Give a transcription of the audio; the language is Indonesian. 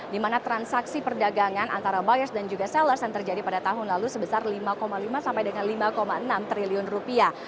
dimana transaksi perdagangan antara buyers dan juga sellers yang terjadi pada tahun lalu sebesar lima lima sampai dengan lima enam triliun rupiah